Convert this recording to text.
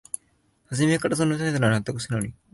はじめからその態度なら納得したのに